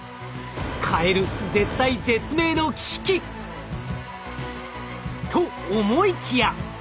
カエル絶体絶命の危機！と思いきや！